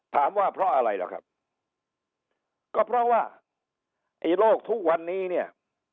ว่าเพราะอะไรล่ะครับก็เพราะว่าไอ้โลกทุกวันนี้เนี่ย